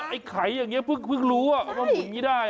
ไอ๋ไขอย่างนี้เพิ่งรู้อ่ะว่าแต่คุณนี้ได้อ่ะ